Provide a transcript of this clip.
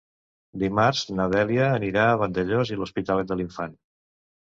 Dimarts na Dèlia anirà a Vandellòs i l'Hospitalet de l'Infant.